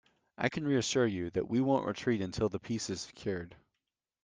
I can reassure you, that we won't retreat until the peace is secured.